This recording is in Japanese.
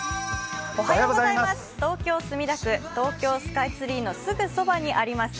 東京・墨田区東京スカイツリーのすぐそばにあります